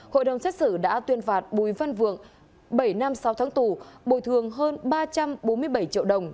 hội đồng xét xử đã tuyên phạt bùi văn vượng bảy năm sáu tháng tù bồi thường hơn ba trăm bốn mươi bảy triệu đồng